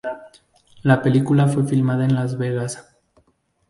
La película fue filmada en Las Vegas.